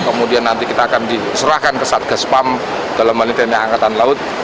kemudian nanti kita akan diserahkan ke satgas pam dalam manitanya angkatan laut